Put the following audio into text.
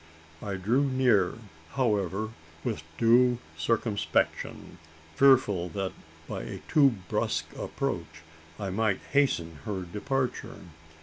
I drew near, however, with due circumspection fearful that by a too brusque approach I might hasten her departure.